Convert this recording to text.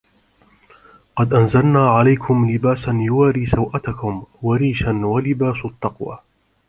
قَدْ أَنْزَلْنَا عَلَيْكُمْ لِبَاسًا يُوَارِي سَوْآتِكُمْ وَرِيشًا وَلِبَاسُ التَّقْوَى